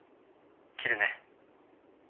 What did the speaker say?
切るね。